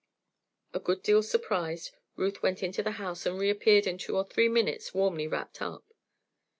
A good deal surprised, Ruth went into the house and reappeared in two or three minutes warmly wrapped up.